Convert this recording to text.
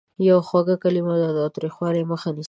یوه خوږه کلمه د تاوتریخوالي مخه نیسي.